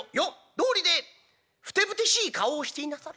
どうりでふてぶてしい顔をしていなさる。